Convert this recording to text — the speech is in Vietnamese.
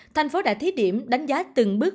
tp hcm đã thí điểm đánh giá từng bước